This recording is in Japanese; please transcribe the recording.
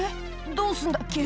どうすんだっけ」